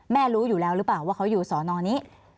รู้อยู่แล้วหรือเปล่าว่าเขาอยู่สอนอนี้